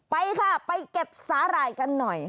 ไปค่ะไปเก็บสาหร่ายกันหน่อย